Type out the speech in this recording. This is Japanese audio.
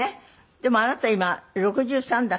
でもあなた今６３だっけ？